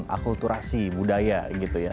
akulturasi budaya gitu ya